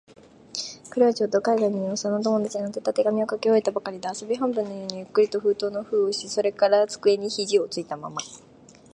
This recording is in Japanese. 彼はちょうど、外国にいる幼な友達に宛てた手紙を書き終えたばかりで、遊び半分のようにゆっくりと封筒の封をし、それから机に肘ひじをついたまま、